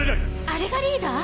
あれがリーダー？